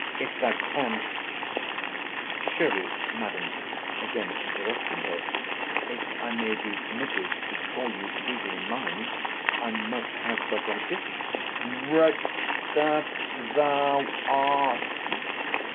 —If thou canst—— Surely, Madam, again interrupting her, if I may be permitted to call you legally mine, I might have but anticip—— Wretch, that thou art!